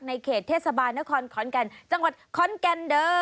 เขตเทศบาลนครขอนแก่นจังหวัดขอนแก่นเด้อ